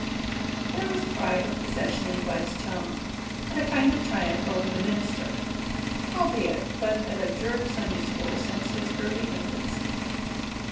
There was pride of possession in Bud's tone, and a kind of triumph over the minister, albeit Bud had adjured Sunday school since his early infancy.